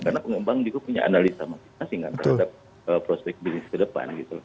karena pengembang juga punya analisa maksimal sih kan terhadap prospek bisnis ke depan